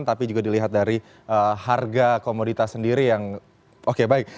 tapi juga dilihat dari harga komoditas sendiri yang oke baik